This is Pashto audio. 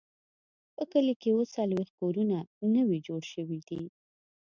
په کلي کې اووه څلوېښت کورونه نوي جوړ شوي دي.